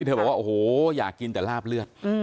เธอบอกว่าโอ้โหอยากกินแต่ลาบเลือด